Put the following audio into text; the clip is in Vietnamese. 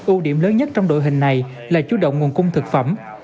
ưu điểm lớn nhất trong đội hình này là chú động nguồn cung thực phẩm